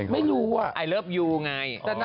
ไม่รู้ไอเลิฟยูไง